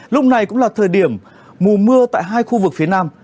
lúc này cũng là thời điểm mùa mưa tại hai khu vực phía nam